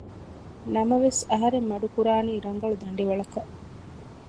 ނަމަވެސް އަހަރެން މަޑު ކުރާނީ ރަނގަޅު ދަނޑިވަޅަކަށް